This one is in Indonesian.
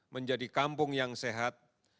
menjadi kampung yang sehat